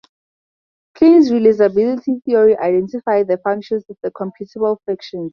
Kleene's realizability theory identifies the functions with the computable functions.